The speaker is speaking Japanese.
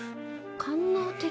官能的？